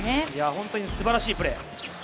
本当に素晴らしいプレー。